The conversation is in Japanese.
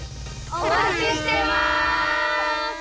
おまちしてます！